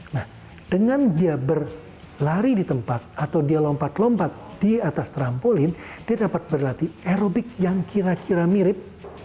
nah dengan dia berlari di tempat atau dia lompat lompat di atas trampolin dia dapat berlatih aerobik yang kira kira mirip